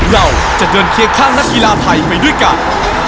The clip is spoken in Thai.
เราจะเดินเคียงข้างนักกีฬาไทยไปด้วยกัน